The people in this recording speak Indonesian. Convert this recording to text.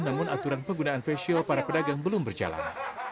namun aturan penggunaan facial para pedagang belum berjalan